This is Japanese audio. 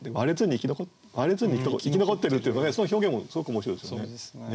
「割れずに生き残ってる」っていうその表現もすごく面白いですよね。